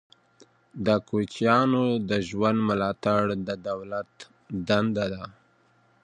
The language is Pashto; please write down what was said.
د کوچیانو د ژوند ملاتړ د دولت دنده ده.